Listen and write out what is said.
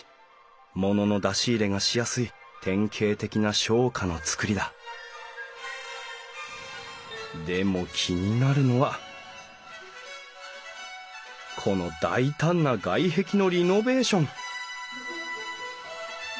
ものの出し入れがしやすい典型的な商家の造りだでも気になるのはこの大胆な外壁のリノベーション！